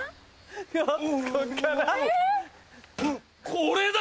これだ！